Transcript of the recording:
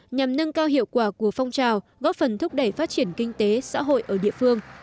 nhằm nâng cao hiệu quả của phong trào góp phần thúc đẩy phát triển kinh tế xã hội ở địa phương